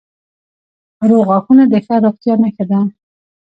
روغ غاښونه د ښه روغتیا نښه ده.